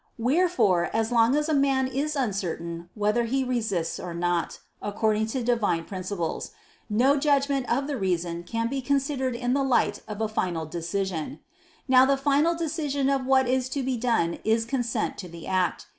Wherefore as long as a man is uncertain whether he resists or not, according to Divine principles, no judgment of the reason can be considered in the light of a final decision. Now the final decision of what is to be done is consent to the act.